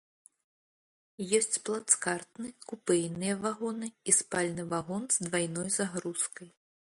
Ёсць плацкартны, купэйныя вагоны і спальны вагон з двайной загрузкай.